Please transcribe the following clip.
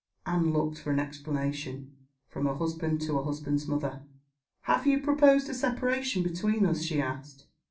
Anne looked, for an explanation, from her husband to her husband's mother. "Have you proposed a separation between us?" she asked.